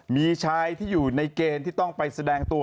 มีชายที่อยู่ในเกณฑ์ที่ต้องไปแสดงตัว